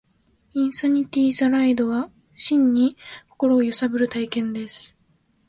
インサニティ・ザ・ライドは、真に心を揺さぶる体験です